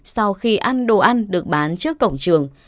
sau khi ăn đồ ăn được bán trước cổng trường